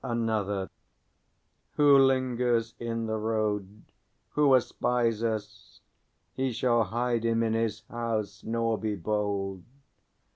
Another. Who lingers in the road? Who espies us? He shall hide him in his house nor be bold.